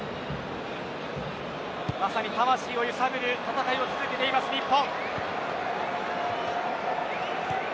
まさに魂を揺さぶる戦いを続けています日本。